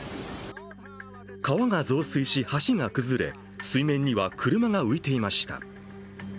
川が増水し橋が崩れ、水面には車が浮いていました。